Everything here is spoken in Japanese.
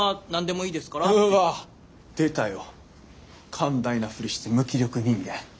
寛大なふりして無気力人間。